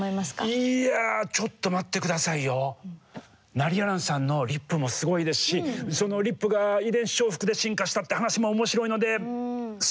ナリヤランさんのリップもすごいですしそのリップが遺伝子重複で進化したって話も面白いのですいません！